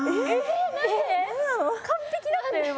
完璧だったよ今！